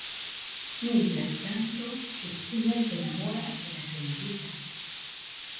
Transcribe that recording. Mientras tanto, Skinner se enamorará de la Srta.